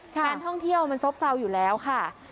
การท่องเที่ยวมันโซ่บอยู่แล้วค่ะ